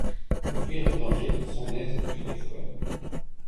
De fuir le danger son aise fut extrême.